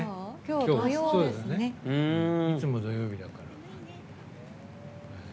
いつも土曜日だから。